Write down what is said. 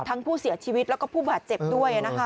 ทั้งผู้เสียชีวิตแล้วก็ผู้บาดเจ็บด้วยนะคะ